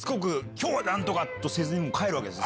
「今日何とか！」とせず帰るわけですね。